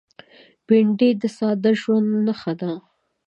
بېنډۍ د ساده ژوند نښه ده